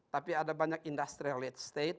tapi ada banyak industrial estate